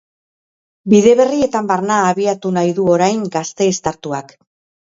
Bide berrietan barna abiatu nahi du orain gasteiztartuak.